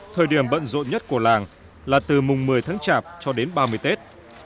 thời điểm bận rộn nhất của làng là từ mùng một mươi tháng chạp cho đến ba mươi tết